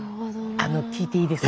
あの聞いていいですか？